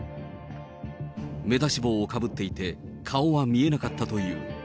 目出し帽をかぶっていて、顔は見えなかったという。